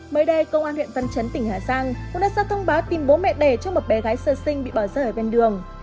mới đây công an huyện văn chấn tỉnh hà giang cũng đã ra thông báo tìm bố mẹ đẻ cho một bé gái sơ sinh bị bỏ rơi ở bên đường